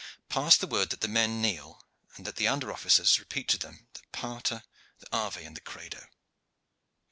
Pass the word that the men kneel, and that the under officers repeat to them the pater, the ave, and the credo."